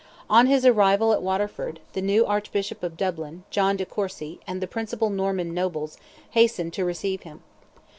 On his arrival at Waterford, the new Archbishop of Dublin, John de Courcy, and the principal Norman nobles, hastened to receive him.